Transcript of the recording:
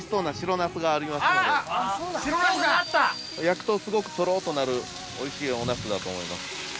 焼くとすごくトロッとなるおいしいおナスだと思います